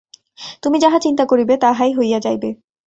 তুমি যাহা চিন্তা করিবে, তাহাই হইয়া যাইবে।